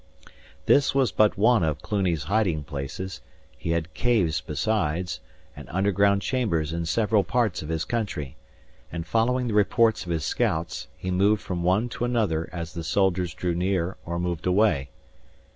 This was but one of Cluny's hiding places; he had caves, besides, and underground chambers in several parts of his country; and following the reports of his scouts, he moved from one to another as the soldiers drew near or moved away.